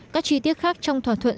các chi tiết khác trong thỏa thuận